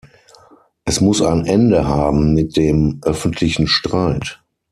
Es muss ein Ende haben mit dem öffentlichen Streit.